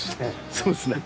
そうですね。